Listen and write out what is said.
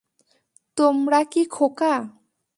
তোমরা কি খোকা!